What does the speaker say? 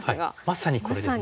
まさにこれですね。